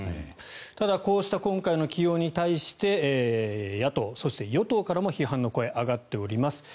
ただこうした今回の起用に対して野党そして与党からも批判の声が上がっています。